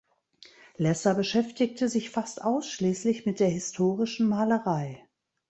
Lesser beschäftigte sich fast ausschließlich mit der historischen Malerei.